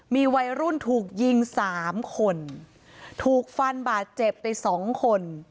มีวัยรุ่นถูกยิงสามคนถูกฟันบาดเจ็บไปสองคน